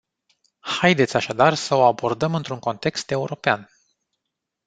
Haideți așadar să o abordăm într-un context european.